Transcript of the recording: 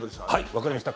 わかりました